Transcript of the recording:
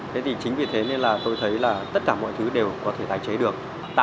thế thì chính vì thế nên là tôi thấy là tất cả mọi thứ đều có thể tái chế được